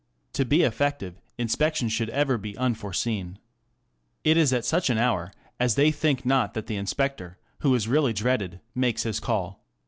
To be effective, inspection should ever be unforeseen. It is at such an hour as they think not that the inspector, who is really dreaded, makes his call.